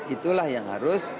itulah yang harus